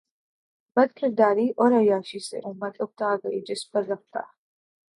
بدکرداری اور عیاشی سے امت اکتا گئ جس پر رفتہ